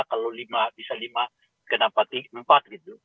kalau bisa lima kenapa empat